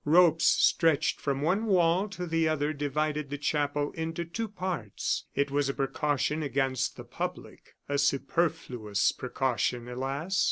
Ropes stretched from one wall to the other divided the chapel into two parts. It was a precaution against the public. A superfluous precaution, alas!